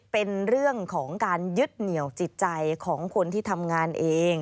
เป็นเรื่องของการยึดเหนี่ยวจิตใจของคนที่ทำงานเอง